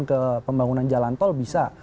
ke pembangunan jalan tol bisa